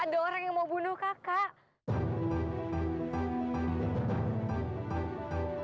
ada orang yang mau bunuh kakak